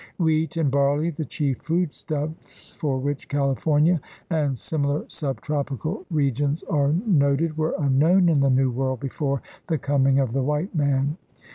Wheat and barley, the chief foodstuffs for which California and similar subtropical regions are noted, were un known in the New World before the coming of the white man.